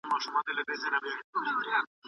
شات د کومو ناروغیو درملنه کوي؟